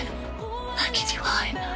凪には会えない。